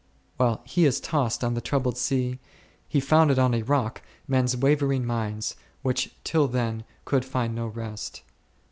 While he is tossed on the troubled sea, he founded on a rock men's wavering minds, which till then could find no rest.